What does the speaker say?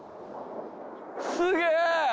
すげえ。